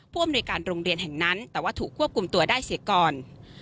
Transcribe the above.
ผู้อำนวยการโรงเรียนแห่งนั้นแต่ว่าถูกควบคุมตัวได้เสียก่อน